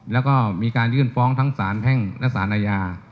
แล้วก็มีการยื่นฟ้องทั้งสารแพ่งและสารอาญา